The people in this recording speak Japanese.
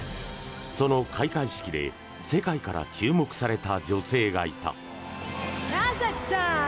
その開会式で世界から注目された女性がいた。